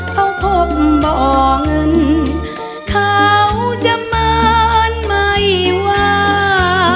เขาพบบ่อเงินเขาจะเหมือนไม่ว่า